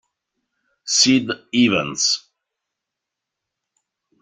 Sid Evans